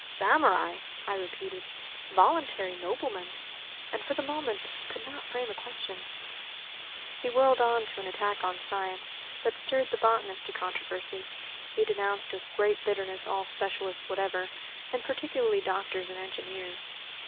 "Samurai!" I repeated, "voluntary noblemen!" and for the moment could not frame a question. He whirled on to an attack on science, that stirred the botanist to controversy. He denounced with great bitterness all specialists whatever, and particularly doctors and engineers.